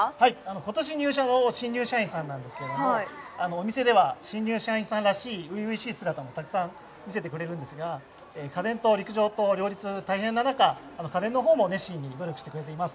今年入社の新入社員さんなんですけどお店では新入社員らしい初々しい姿を見せているんですが家電と陸上との両立、大変な中、家電の方も熱心に努力してくれています。